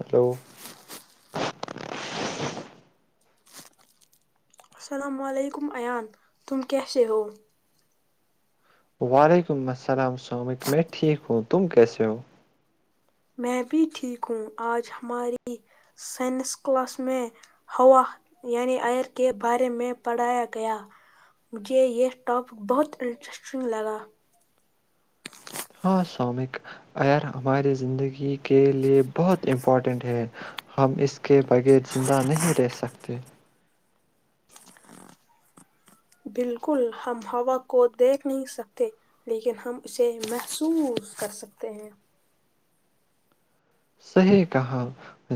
hello السلام علیکم ایان تم کیس ہو وعلیکم السلام سامکم ٹھیک ہوں تم کیسے ہو میں بھی ٹھیک ہوں آج ہماری سائنس کلاس میں ہوا یعنی آئر کے بارے میں پڑھایا گیا مجھے یہ ٹاپک بہت انٹرسٹنگ لگا ہاں سومک ار ہماری زندگی کے لیے بہت امپورٹنٹ ہے ہم اس کے بغیر زندہ نہیں رہ سکتے بالکل ہم ہوا کو دیکھ نہیں سکتے لیکن ہم اسے محسوس کر سکتے ہیں صحیح کہاں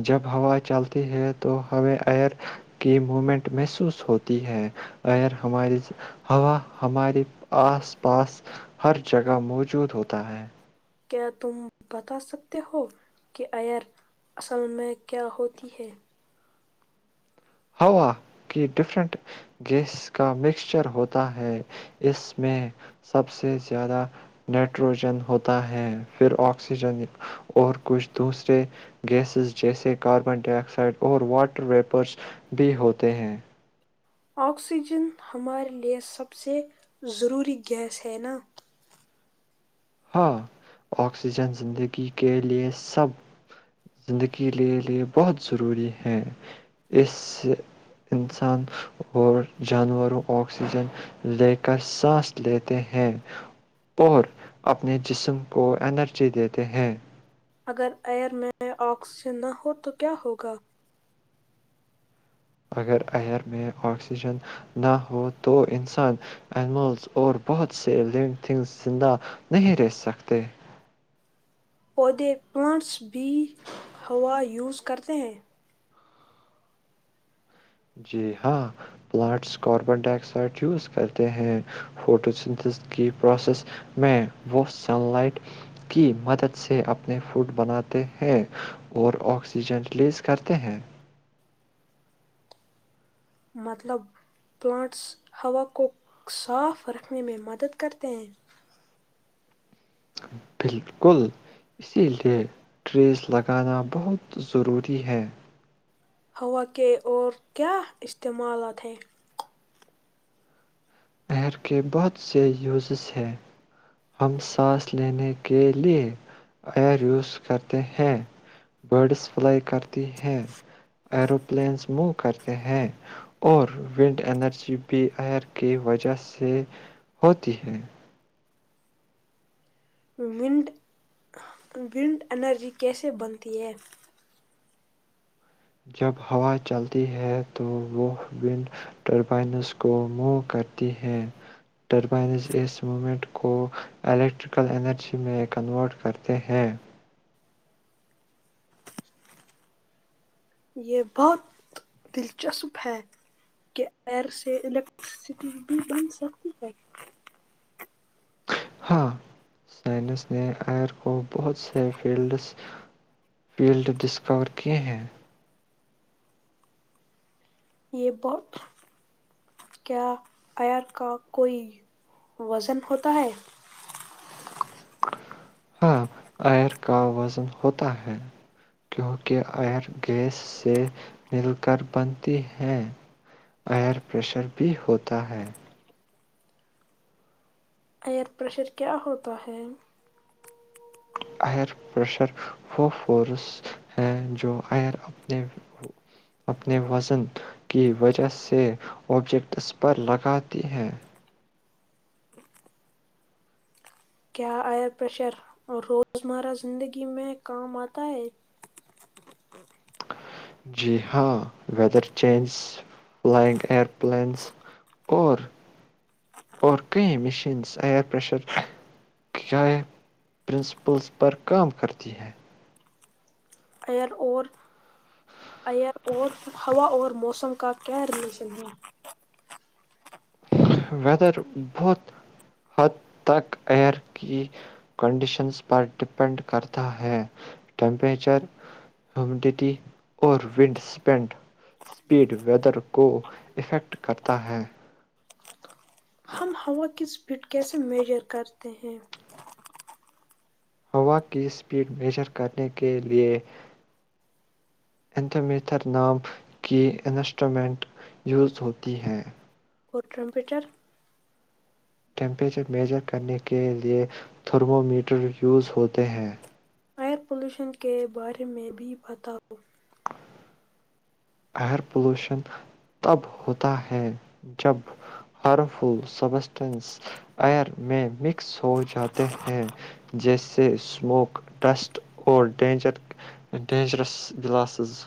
جب ہوا چلتی ہے تو ہمیں ایئر کی مومنٹ محسوس ہوتی ہے ایئر ہماری ہوا ہماراری آس پاس ہر جگہ موجود ہوتا ہے کیا تم بتا سکتے ہو کہ ائر اصل میں کیا ہوتی ہے ہوا کی ڈفرنٹ گیس کا مکسچر ہوتا ہے اس میں سب سے زیادہ نائٹروجن ہوتا ہے پھر آکسیجن اور کچھ دوسرے گیسز جیسے کاربن ڈائی آکسائڈ اور واٹر ویپرس بھی ہوتے ہیں آکسیجن ہمارے لیے سب سے ضروری گیس ہے نا ہاں آکسیجن زندگی کے لیے سب زندگی کے لیے بہت ضروری ہے اس سے انسان اور جانوروں آکسیجن لے کر سانس لیتے ہیں اور اپنے جسم کو انرجی دیتے ہیں اگر ایئر میں آکسیجن نہ ہو تو کیا ہو گا اگر ایئر میں آکسیجن نہ ہو تو انسان اینیملز اور بہت سے لونگ تھنگز زندہ نہیں رہ سکتے پودے پلانٹس بھی ہوا یوز کرتے ہیں جی ہاں plants carbon dioxide use کرتے ہیں فوٹوسن کی پروسیس میں وہ سن لائٹ کی مدد سے اپنے فوڈ بناتے ہیں اور آکسیجن ریلیز کرتے ہیں مطلب پلانٹس ہوا کو صاف رکھنے میں مدد کرتے ہیں بالکل اسی لیے ٹریس لگانا بہت ضروری ہے ہوا کے اور کیا استعمالات ہیں ایئر کے بہت سے یوزز ہیں ہم سانس لینے کے لیے ایئر یوز کرتے ہیں برڈس فلائی کرتی ہیں اروپلینس مو کرتے ہیں اور ونڈ انرجی بھی ایئر کی وجہ سے ہوتی ہے ونڈ ونڈ انرجی کیسے بنتی ہے جب ہوا چلتی ہے تو وہ ون ٹربائنز کو موو کرتی ہے ٹربائنز اس موومنٹ کو الیکٹریکل انرجی میں کنورٹ کرتے ہیں یہ بہت دلچسپ ہے کہ ایئر سے الیکٹرسٹی بھی بن سکتی ہے ہاں سائنس نے آئر کو بہت سے فیلڈس فیلڈ ڈسکور کیے ہیں یہ بہت کیا آر کا کوئی وزن ہوتا ہے ہاں ایئر کا وزن ہوتا ہے کیونکہ ایئر گیس سے مل کر بنتی ہے ایئر پریشر بھی ہوتا ہے ایئر پریشر کیا ہوتا ہے ایئر پریشر وہ فورس ہیں جو اپنے وزن کی وجہ سے آبجیکٹس پر لگاتی ہیں کیا آئر پریشر روزمرہ زندگی میں کام آتا ہے جی ہاں weather change flying air planes اور اور کئی مشینس ایئر پریشر کیا پرنسپلس پر کام کرتی ہیں ائر اور ہوا اور موسم کا کیا ریلیشن ہے ویدر بہت حد تک ایئر کی کنڈیشنز پر ڈپینڈ کرتا ہے ٹیمپریچر ہیومڈیٹی اور ونڈ اسپینڈ اسپیڈ ویدر کو افیکٹ کرتا ہے ہم ہوا کی اسپیڈ کیسے میجر کرتے ہیں ہوا کی اسپیڈ میجر کرنے کے لئے اتھمیتھر نام کی انسٹرومنٹ یوز ہوتی ہیں اورٹمپیٹر ٹیمپریچر میجر کرنے کے لئے تھرمومییٹر یوز ہوتے ہیں ایئر پلیوشن کے بارے میں بھی بتاؤ ایئر پولوشن تب ہوتا ہے جب ہارمفل سبسٹینس ایئر میں مکس سو جاتے ہیں جیسے اسموک ڈسٹ اور ڈینجر ڈینجرس گلاسز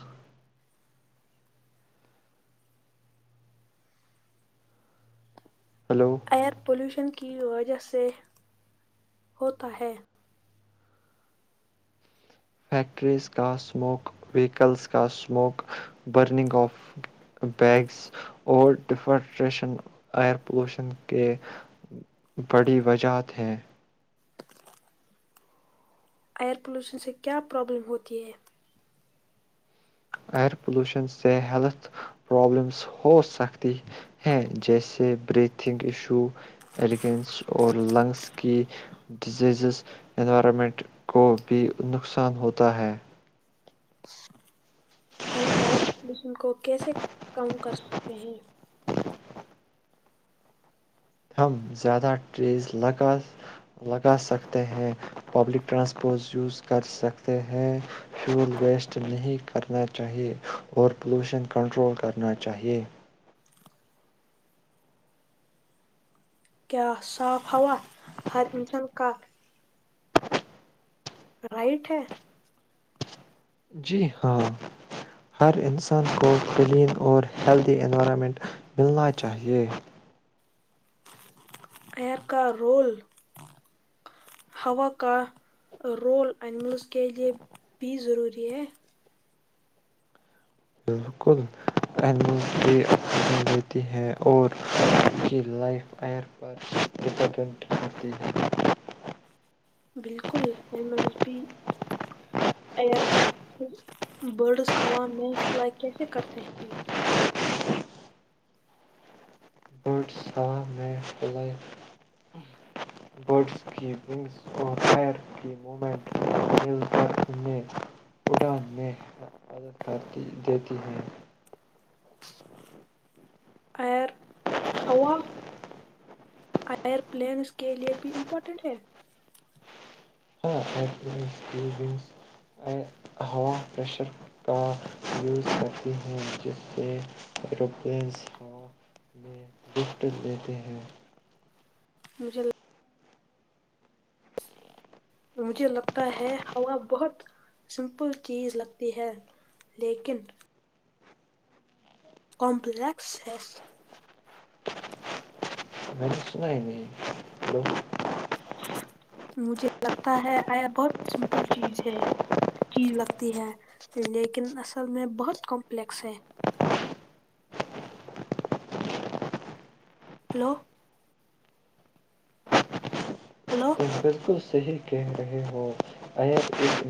ہلو ایئر پلیوشن کی وجہ سے ہوتا ہے فیکٹریز کا اسموک وہیکلز کا اسموک برننگ آف بیگس اور ڈفٹریشن ایئر پولوشن کے بڑی وجہات ہیں ایئر پلیوشن سے کیا پرابلم ہوتی ہے ایئر پولوشن سے ہیلتھ پرابلمز ہو سکتی ہیں جیسے بریتھنگ ایشو ایلیگنس اور لنگز کی ڈزیزز انوائرمنٹ کو بھی نقصان ہوتا ہے ہم آپ کو کیسے کم کر سکتے ہیں ہم زیادہ ریز لگا لگا سکتے ہیں پبلک ٹرانسپورٹ یوز کر سکتے ہیں فیول ویسٹ نہیں کرنا چاہیے اور پولوشن کنٹرول کرنا چاہیے کیا صاف ہا ہر انسان کپ رائٹ ہے جی ہاں ہر انسان کو کلین اور ہیلدی انوائرمنٹ ملنا چاہیے ایر کا رول ہوا کا رول اینیملز کے لئے بھی ضروری ہے بالکل امل دیتی ہیں اور ان کی لائف آئر پر ڈپینڈنٹ ہوتی ہے بالکل املز بھی ایئر کا برڈس ہوا میں فلائی کیسے کرتے ہیں برڈز ش میں فل برڈز کی ونگز اور فائر کی موومنٹ مل کر انیں اڑان میں مدد کرتی دیتی ہے ار ہوا ائر پلینس کے لیے بھی امپورٹینٹ ہے ہ ایلس کینس ہوا پشر کا یوز کرتی ہیں جس سے روپز ہوا میں گفٹ دیتے ہیں بھل مجھے لگتا ہے ہوا بہت سمپل چیز لگتی ہے لیکن کمپلیکس ہے میں نے سنا ہی نہیں مجھے لگتا ہے آیا بہت سمپل چیز ہے چیز لگتی ہے لیکن اصل میں بہت کمپلیکس ہے ہلو ہلو تم بالکل صحیح کہہ رہے ہو ار ایک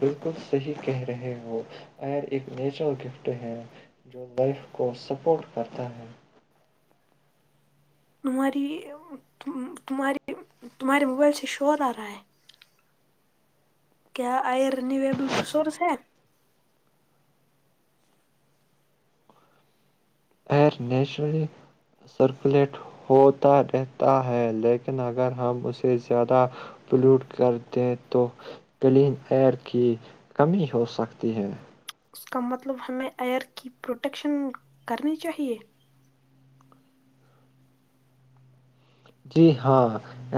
بالکل صحیح کہہ رہے ہو ائر ایک نیچرل گفٹ ہے جو لائف کو سپورٹ کرتا ہے تمہاری تمہاری تمہارے موبائل سے شورا رائے کیا آئر ریبل ریسورس ہے ایئر نیچرلی سرکولیٹ ہوتا رہتا ہے لیکن اگر ہم اسے زیادہ پلیوٹ کر دیں تو کلین ایئر کی کمی ہو سکتی ہے اس کا مطلب ہمیں ایئر کی پروٹیکشن کرنی چاہیے جی ہاں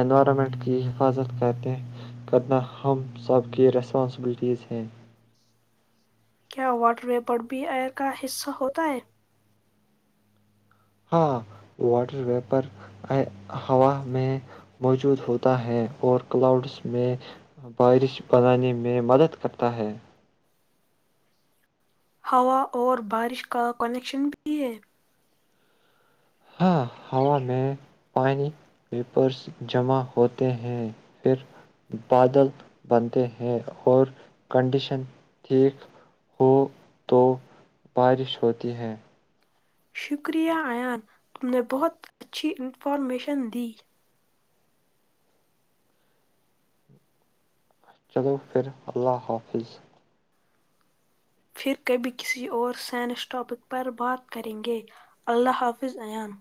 انوائرمنٹ کی حفاظت کہتے ہیں کرنا ہم سب کی ریسپانسبلٹیز ہیں کیا واٹر و پرر بھی ایئر کا حصہ ہوتا ہے ہاں واٹر ویپر ہوا میں موجود ہوتا ہے اور کلاؤڈس میں بارش بنانے میں مدد کرتا ہے ہوا اور بارش کا کنیکشن بھی ہے ہاں ہوا میں پانی پیپرس جمع ہوتے ہیں پھر بادل بنتے ہیں اور کنڈیشن ٹھیک ہو تو بارش ہوتی ہے شکریہ ایان تم نے بہت اچھی انفارمیشن دی چلو پھر اللہ حافظ پھر کبھی کسی اور سائنس ٹاپک پر بات کریں گے اللہ حافظ ایان